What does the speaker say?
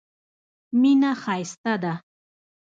مینه ښایسته ده.